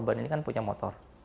korban ini punya motor